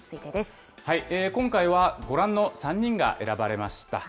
今回は、ご覧の３人が選ばれました。